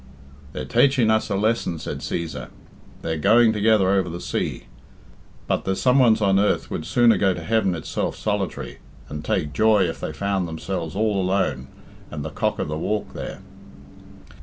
"They're taiching us a lesson," said Cæsar. "They're going together over the sea; but there's someones on earth would sooner go to heaven itself solitary, and take joy if they found themselves all alone and the cock of the walk there."